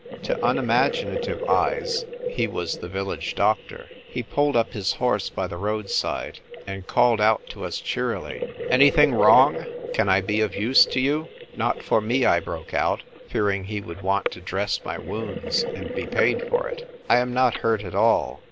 To unimaginative eyes he was the village doctor. He pulled up his horse by the roadside, and called out to us cheerily :" Anything wrong ? Can I be of use to you ?" "Not for me," I broke out, fearing he would want to dress my wounds and be paid for it ; "I am not hurt at all.